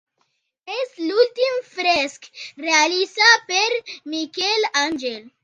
És l'últim fresc realitzat per Miquel Àngel.